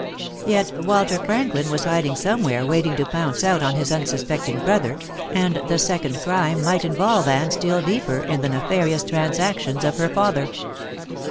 Yet Walter Franklin was hiding somewhere waiting to pounce out on his unsuspecting brother, and the second crime might involve Anne still deeper in the nefarious transactions of her father.